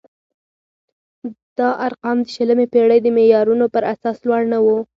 دا ارقام د شلمې پېړۍ د معیارونو پر اساس لوړ نه وو.